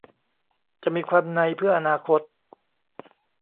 จะมีความนัยเพื่ออนาคต